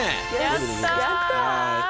やった！